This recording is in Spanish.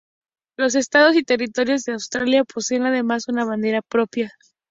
Los Estados y Territorios de Australia poseen además una bandera propia.